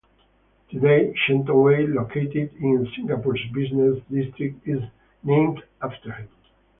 Today, Shenton Way, located in Singapore's business district, is named after him.